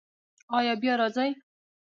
ایا بیا راځئ؟